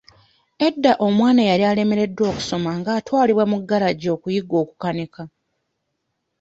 Edda omwana eyali alemereddwa okusoma ng'atwalibwa mu galagi okuyiga okukanika.